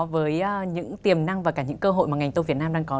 với những tiềm năng và cả những cơ hội mà ngành tôm việt nam đang có